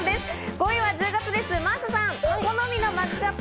５位は１０月です、真麻さん。